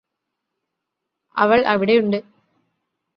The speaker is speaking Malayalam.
അവള് അവിടെയുണ്ട്